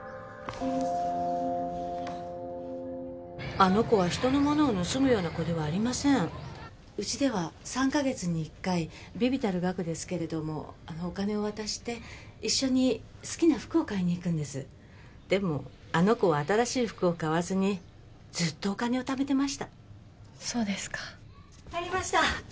あの子は人のものを盗むような子ではありませんうちでは３ヵ月に一回微々たる額ですけれどもお金を渡して一緒に好きな服を買いに行くんですでもあの子は新しい服を買わずにずっとお金をためてましたそうですかありました